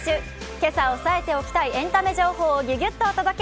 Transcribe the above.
今朝抑えておきたいエンタメ情報をギュギュッとお届け。